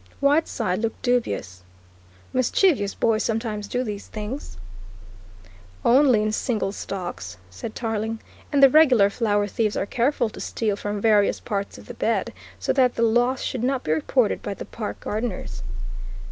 Whiteside looked dubious. "Mischievous boys sometimes do these things." "Only in single stalks," said Tarling, "and the regular flower thieves are careful to steal from various parts of the bed so that the loss should not be reported by the Park gardeners."